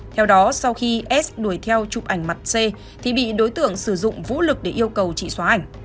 theo đó sau khi s đuổi theo chụp ảnh mặt c thì bị đối tượng sử dụng vũ lực để yêu cầu chị xóa ảnh